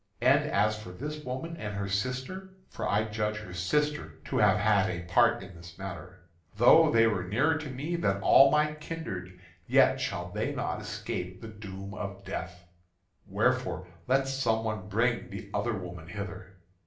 And as for this woman and her sister for I judge her sister to have had a part in this matter though they were nearer to me than all my kindred, yet shall they not escape the doom of death. Wherefore let some one bring the other woman hither."